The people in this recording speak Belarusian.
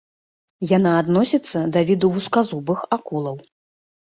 Яна адносіцца да віду вузказубых акулаў.